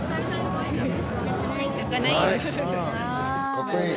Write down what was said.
かっこいい。